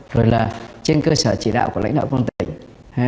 rồi là trên cơ sở chỉ đạo của lãnh đạo công an tỉnh